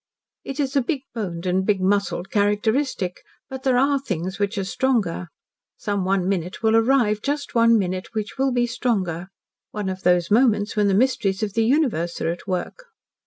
"It is a big boned and big muscled characteristic, but there are things which are stronger. Some one minute will arrive just one minute which will be stronger. One of those moments when the mysteries of the universe are at work."